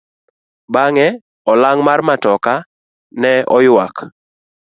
Bang'e olang' mar matoka ne oyuak.